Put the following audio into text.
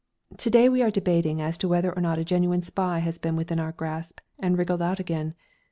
_ To day we are debating as to whether or not a genuine spy has been within our grasp and wriggled out again.